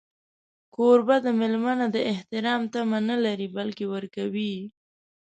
کوربه د مېلمه نه د احترام تمه نه لري، بلکې ورکوي.